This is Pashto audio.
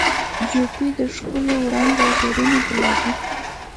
جوپې د ښکلو وړانګو وزرونه ګلابي